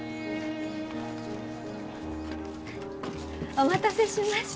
お待たせしました！